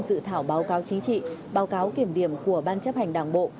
dự thảo báo cáo chính trị báo cáo kiểm điểm của ban chấp hành đảng bộ